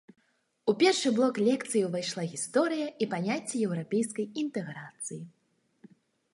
У першы блок лекцый увайшла гісторыя і паняцце еўрапейскай інтэграцыі.